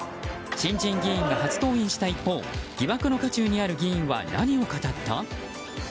新人議員が初登院した一方疑惑の渦中にある議員は何を語った？